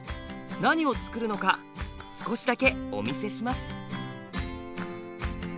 何をつくるのか少しだけお見せします。